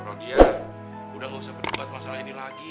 bro dia udah nggak usah pedulikan masalah ini lagi